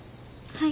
はい。